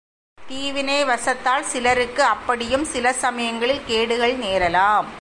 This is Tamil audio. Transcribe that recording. தீவினைவசத்தால் சிலருக்கு அப்படியும் சிலசமயங்களில் கேடுகள் நேரலாம்.